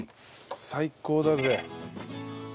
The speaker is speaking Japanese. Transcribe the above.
最高だぜ。